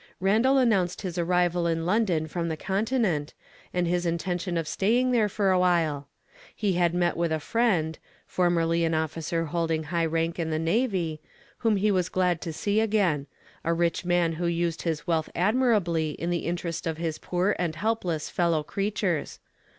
Randal announced his arrival in London from the Continent, and his intention of staying there for a while. He had met with a friend (formerly an officer holding high rank in the Navy) whom he was glad to see again a rich man who used his wealth admirably in the interest of his poor and helpless fellow creatures.